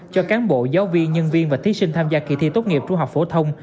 cho cán bộ giáo viên nhân viên và thí sinh tham gia kỳ thi tốt nghiệp trung học phổ thông